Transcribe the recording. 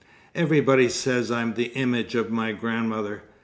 Everybody says I'm the image of my grandmother.